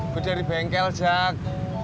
gue dari bengkel zak